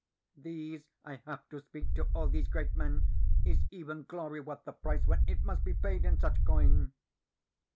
"These I have to speak to, all these great men. Is even glory worth the price when it must be paid in such coin?"